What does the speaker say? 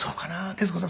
徹子さん